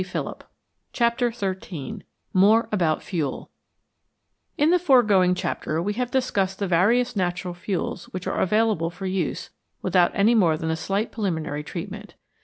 141 CHAPTER XIII MORE ABOUT FUEL IN the foregoing chapter we have discussed the various natural fuels which are available for use without any more than a slight preliminary treatment.